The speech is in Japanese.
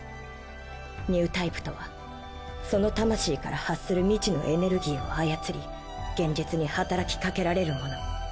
ニュータイプとはその魂から発する未知のエネルギーを操り現実に働きかけられる者。